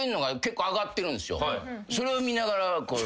それを見ながらこう。